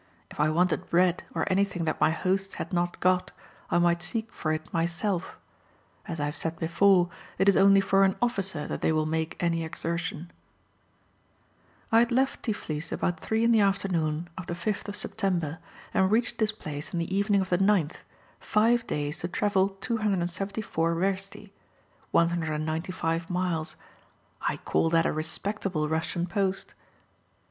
If I wanted bread, or anything that my hosts had not got, I might seek for it myself. As I have said before, it is only for an officer that they will make any exertion. I had left Tiflis about 3 in the afternoon of the 5th of September, and reached this place in the evening of the 9th, five days to travel 274 wersti (195 miles). I call that a respectable Russian post!